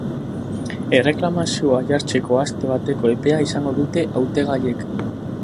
Erreklamazioa jartzeko aste bateko epea izango dute hautagaiek.